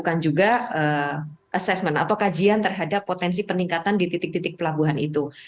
melakukan juga assessment atau kajian terhadap potensi peningkatan di titik titik pelabuhan itu